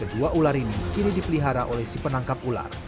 kedua ular ini kini dipelihara oleh si penangkap ular